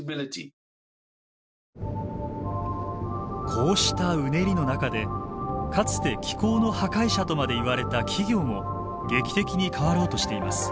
こうしたうねりの中でかつて気候の破壊者とまで言われた企業も劇的に変わろうとしています。